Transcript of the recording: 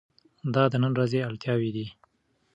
دا د نن ورځې اړتیاوې دي.